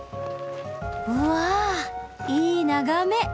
うわぁいい眺め！